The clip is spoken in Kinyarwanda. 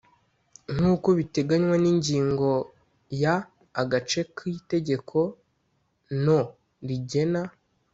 Nk uko biteganywa n ingingo ya agace ka Itegeko no rigena